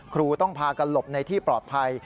ครูต้องพากันหลบในที่ปลอดภัย